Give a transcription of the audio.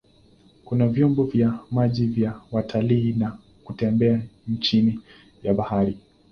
Kuna vyombo vya maji vya watalii na kutembea chini ya bahari.